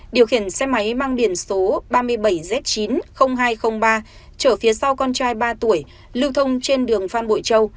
điều khiển xe máy mang điển số ba mươi bảy z chín hai trăm linh ba chở phía sau con trai ba tuổi lưu thông trên đường phan bội châu